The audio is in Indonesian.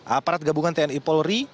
aparat gabungan tni polri